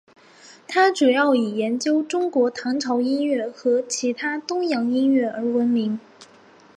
他主要以研究中国唐朝音乐和其他东洋音乐而闻名。